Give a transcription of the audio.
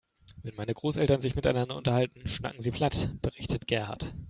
Wenn meine Großeltern sich miteinander unterhalten, schnacken sie platt, berichtet Gerhard.